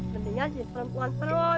mendingan jadi perempuan